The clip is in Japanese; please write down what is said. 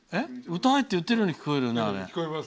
歌えって言ってるように聞こえるよね。